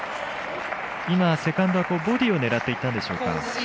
今、セカンドはボディーを狙っていったんでしょうか。